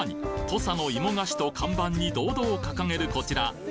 土佐の芋菓子と看板に堂々掲げるこちら。